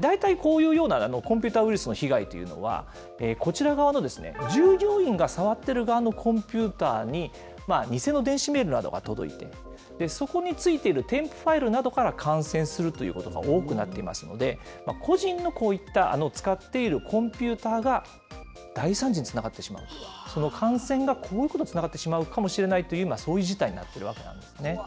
大体、こういうようなコンピューターウイルスの被害というのは、こちら側の従業員が触ってる側のコンピューターに偽の電子メールなどが届いて、そこについてる添付ファイルなどから感染するということが多くなっていますので、個人のこういった使っているコンピューターが大惨事につながってしまう、その感染がこういうことにつながってしまうかもしれないと、今、そういう事態になってるわけなんですね。